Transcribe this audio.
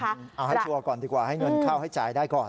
เอาให้ชัวร์ก่อนดีกว่าให้เงินเข้าให้จ่ายได้ก่อน